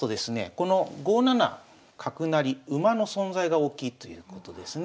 この５七角成馬の存在が大きいということですね。